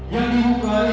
yang dihukum hari ini